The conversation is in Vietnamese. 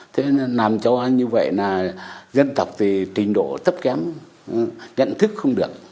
thế nên làm cho như vậy là dân tộc thì trình độ tấp kém nhận thức không được